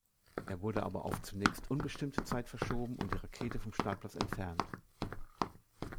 Er wurde aber auf zunächst unbestimmte Zeit verschoben und die Rakete vom Startplatz entfernt.